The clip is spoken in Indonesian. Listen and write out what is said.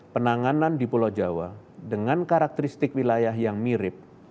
penanganan di pulau jawa dengan karakteristik wilayah yang mirip